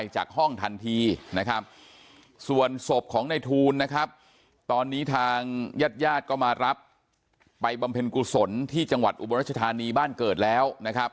จากญาติญาติก็มารับไปบำเพ็ญกุศลที่จังหวัดอุบรัชนทานีบ้านเกิดแล้วนะครับ